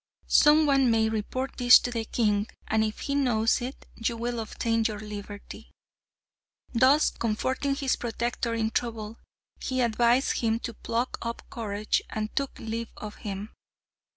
Some one may report this to the king, and if he knows it, you will obtain your liberty." Thus comforting his protector in trouble, he advised him to pluck up courage, and took leave of him.